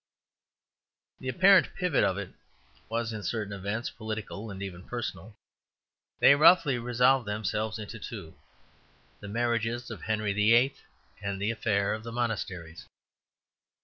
The apparent pivot of it was in certain events, political and even personal. They roughly resolve themselves into two: the marriages of Henry VIII. and the affair of the monasteries.